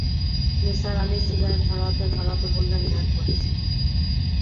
Nisar Ali cigarette ধরাতে-ধরাতে বললেন, হ্যাঁ, করেছে।